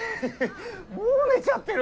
もう寝ちゃってる！